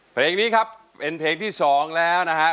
เพลงนี้ครับเป็นเพลงที่๒แล้วนะครับ